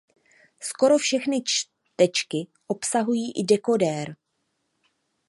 Skoro všechny čtečky obsahují i dekodér.